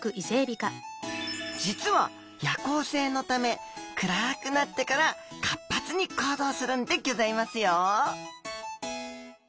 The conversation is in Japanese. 実は夜行性のため暗くなってから活発に行動するんでギョざいますよ